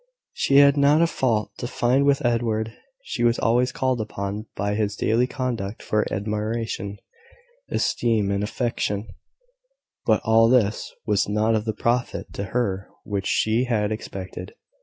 She had not a fault to find with Edward: she was always called upon by his daily conduct for admiration, esteem, and affection; but all this was not of the profit to her which she had expected.